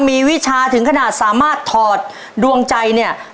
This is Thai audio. มีวิชาถึงขนาดสามารถถอดดวงใจเนี่ย